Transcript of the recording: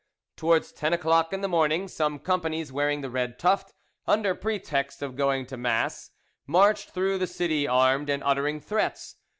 Towards ten o'clock in the morning, some companies wearing the red tuft, under pretext of going to mass, marched through the city armed and uttering threats.